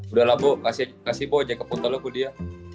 udah lah bu kasih bo aja ke portal lo bu dia